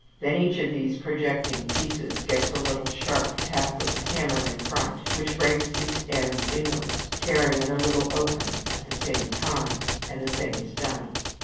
5); then each of these projecting pieces gets a little sharp tap with the hammer in front, which beaks its edge inwards, tearing it a little open at the same time, and the thing is done.